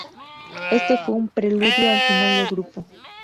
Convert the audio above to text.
Este fue un preludio al final del grupo.